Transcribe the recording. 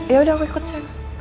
ya udah aku ikut saya